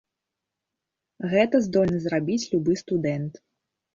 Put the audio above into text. Гэта здольны зрабіць любы студэнт.